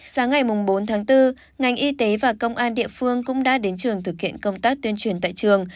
sáng ngày bốn tháng bốn ngành y tế và công an địa phương cũng đã đến trường thực hiện công tác tuyên truyền tại trường